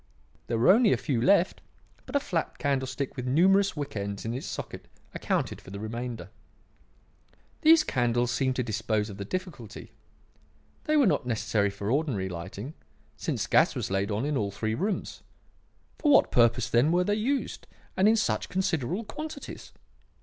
There were only a few left, but a flat candlestick with numerous wick ends in its socket accounted for the remainder. "These candles seemed to dispose of the difficulty. They were not necessary for ordinary lighting, since gas was laid on in all three rooms. For what purpose, then, were they used, and in such considerable quantities?